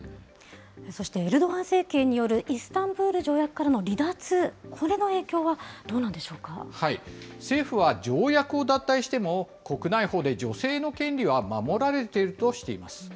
そして、エルドアン政権によるイスタンブール条約からの離脱、政府は条約を脱退しても、国内法で女性の権利は守られているとしています。